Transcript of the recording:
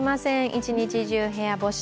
一日中、部屋干し。